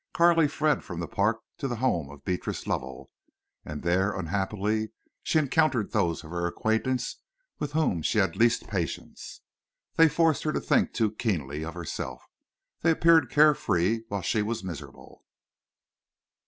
Carley fled from the Park to the home of Beatrice Lovell; and there, unhappily, she encountered those of her acquaintance with whom she had least patience. They forced her to think too keenly of herself. They appeared carefree while she was miserable.